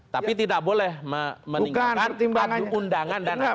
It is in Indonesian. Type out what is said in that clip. tapi tidak boleh meninggalkan undangan dan apa